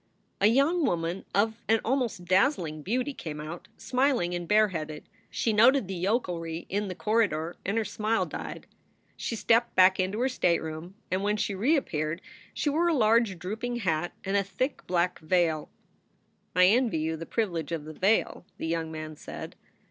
A young woman of an almost dazzling beauty came out, smiling and bareheaded. She noted the yokelry in the corri dor, and her smile died. She stepped back into her state room, and when she reappeared, she wore a large drooping hat and a thick black veil. "I envy you the privilege of the veil," the young man said.